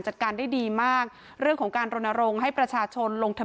จัดการได้ดีมากเรื่องของการรณรงค์ให้ประชาชนลงทะ